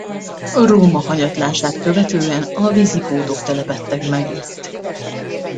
Róma hanyatlását követően a vizigótok telepedtek meg itt.